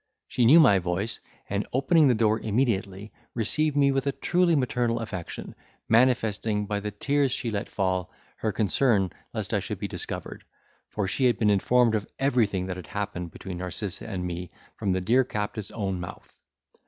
She knew my voice, and opening the door immediately, received me with a truly maternal affection, manifesting, by the tears she let fall, her concern lest I should be discovered, for she had been informed of everything that had happened between Narcissa and me from the dear captive's own mouth.